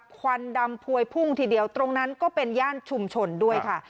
ควันดำพวยพุ่งทีเดียวตรงนั้นก็เป็นย่านชุมชนด้วยค่ะ